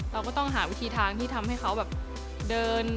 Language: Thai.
เราก็ต้องหาวิธีทางที่ทำให้เขาแบบเดิน